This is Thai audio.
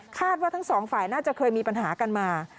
ว่าทั้งสองฝ่ายน่าจะเคยมีปัญหากันมา